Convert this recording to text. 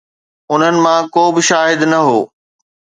انهن مان ڪو به شاهد نه هو.